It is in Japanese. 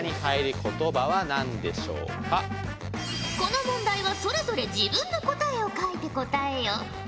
この問題はそれぞれ自分の答えを書いて答えよ。